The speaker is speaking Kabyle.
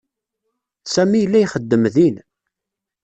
Sami yella ixeddem din.